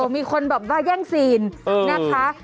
มีคนแบบว่าแย่งซีนนะคะ